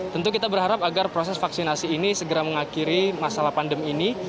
tentu kita berharap agar proses vaksinasi ini segera mengakhiri masalah pandemi ini